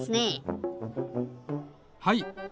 はい。